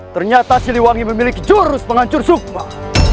ternyata siliwangi memiliki jurus penghancur sukma